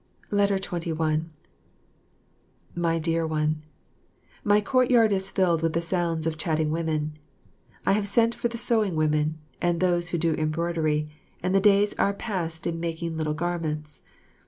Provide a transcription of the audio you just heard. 21. My Dear One, My courtyard is filled with the sounds of chatting women. I have sent for the sewiing women and those who do embroidery, and the days are passed in making little garments.